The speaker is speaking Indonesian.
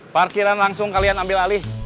parkiran langsung kalian ambil alih